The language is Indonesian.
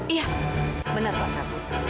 iya benar pak prabu